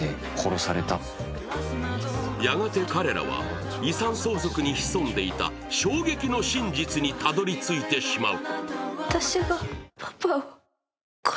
やがて彼らは遺産相続に潜んでいた衝撃の真実にたどり着いてしまう。